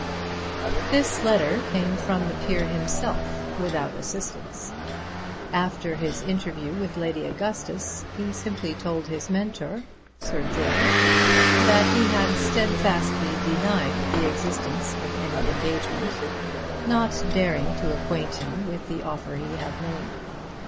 This letter came from the peer himself, without assistance. After his interview with Lady Augustus he simply told his Mentor, Sir George, that he had steadfastly denied the existence of any engagement, not daring to acquaint him with the offer he had made.